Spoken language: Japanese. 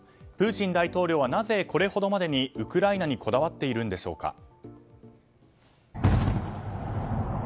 プーチン大統領はなぜ、これほどまでにウクライナにこだわっているんでしょうか。